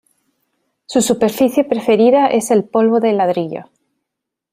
Su superficie preferida es el polvo de ladrillo.